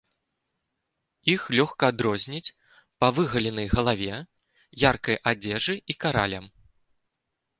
Іх лёгка адрозніць па выгаленай галаве, яркай адзежы і каралям.